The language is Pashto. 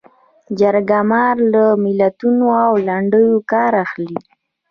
جرګه مار له متلونو او لنډیو کار اخلي